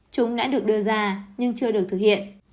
chúng đã được đưa ra nhưng chưa được thực hiện